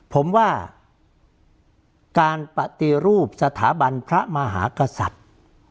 ผมว่าการปฏิรูปสถาบันพระมหากษัตริย์